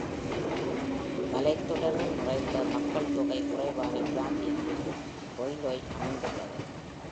மலைத்தொடர்கள் நிறைந்த, மக்கள்தொகை குறைவான பிராந்தியத்தில் Foloi அமைந்துள்ளது.